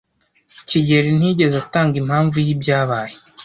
kigeli ntiyigeze atanga impamvu y'ibyabaye.